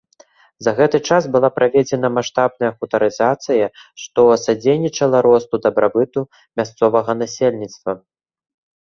За гэты час была праведзена маштабная хутарызацыя, што садзейнічала росту дабрабыту мясцовага насельніцтва.